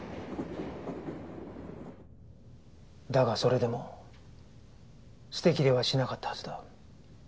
だがそれでも捨てきれはしなかったはずだ。